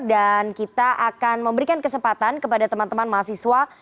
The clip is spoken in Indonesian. dan kita akan memberikan kesempatan kepada teman teman mahasiswa